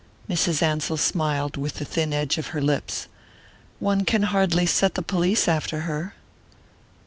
Mrs. Ansell smiled with the thin edge of her lips. "One can hardly set the police after her